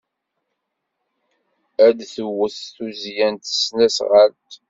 Ad d-twet tuzzya s tesnasɣalt.